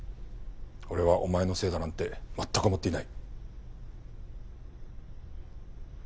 俺はお前のせいだなんて全く思っていない。